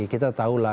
kita tahu lah